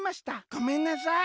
『ごめんなさい』。